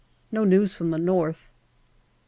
No news from the north. 10.